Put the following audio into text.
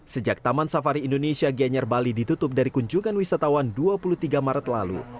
sejak taman safari indonesia gianyar bali ditutup dari kunjungan wisatawan dua puluh tiga maret lalu